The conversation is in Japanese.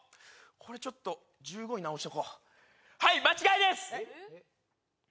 これちょっと１５に直しておこうはい間違いです